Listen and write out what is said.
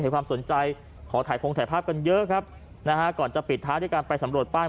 ความสนใจขอถ่ายพงถ่ายภาพกันเยอะครับนะฮะก่อนจะปิดท้ายด้วยการไปสำรวจป้าย